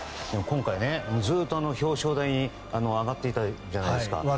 今回、ずっと表彰台に上がっていたじゃないですか。